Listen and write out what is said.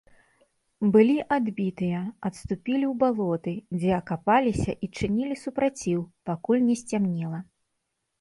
Былі адбітыя, адступілі ў балоты, дзе акапаліся і чынілі супраціў, пакуль не сцямнела.